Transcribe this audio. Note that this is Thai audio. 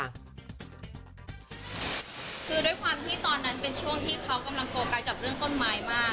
คือด้วยความที่ตอนนั้นเป็นช่วงที่เขากำลังโฟกัสกับเรื่องต้นไม้มาก